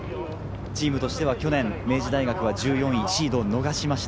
チームとして去年、明治大学は１４位、シードを逃しました。